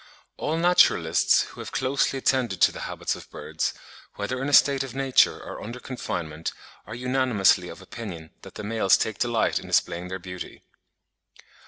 All naturalists who have closely attended to the habits of birds, whether in a state of nature or under confinement, are unanimously of opinion that the males take delight in displaying their beauty.